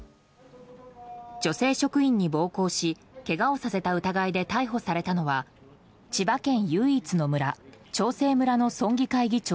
女性職員に暴行しけがをさせた疑いで逮捕されたのは千葉県唯一の村長生村の村議会議長